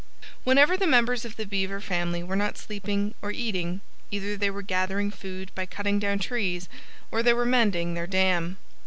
Whenever the members of the Beaver family were not sleeping, or eating, either they were gathering food by cutting down trees, or they were mending their dam.